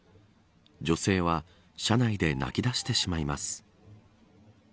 女性は車内で泣き出してしまいます。